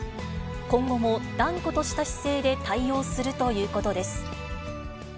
今後も断固とした姿勢で対応するということです。